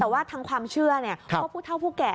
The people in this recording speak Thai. แต่ว่าทางความเชื่อว่าผู้เท่าผู้แก่